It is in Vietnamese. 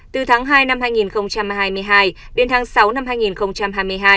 từ tháng hai năm hai nghìn hai mươi hai đến tháng sáu năm hai nghìn hai mươi hai